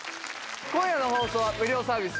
今夜の放送は無料サービス